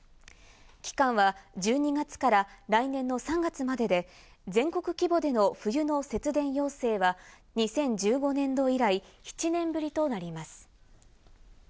期間は１２月から来年の３月までで、全国規模での冬の節電要請は、２０１５年度以来、７年ぶりとなります。